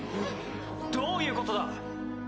・どういうことだ！